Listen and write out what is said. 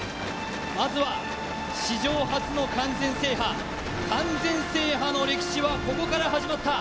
まずは史上初の完全制覇完全制覇の歴史はここから始まった。